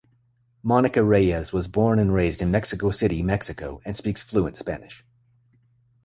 Monica Reyes was born and raised in Mexico City, Mexico, and speaks fluent Spanish.